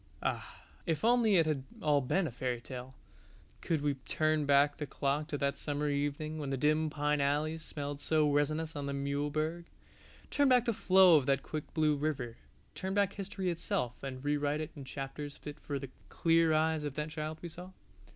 Ah, if only it had all been a fairy tale. Could we but turn back the clock to that summer evening when the dim pine alleys smelled so resinous on the Muehlberg, turn back the flow of that quick blue river, turn back history itself and rewrite it in chapters fit for the clear eyes of that child we saw.